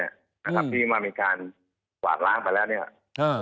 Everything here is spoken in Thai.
ถ้าทักทีมันมีการกวาดล้างไปแล้วเนี่ย